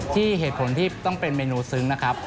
เหตุผลที่ต้องเป็นเมนูซึ้งนะครับ